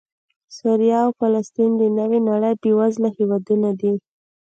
سوریه او فلسطین د نوې نړۍ بېوزله هېوادونه دي